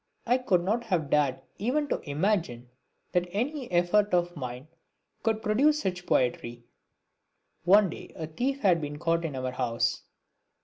I could not have dared even to imagine that any effort of mine could produce such poetry. One day a thief had been caught in our house.